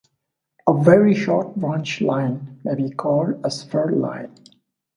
A very short branch line may be called a spur line.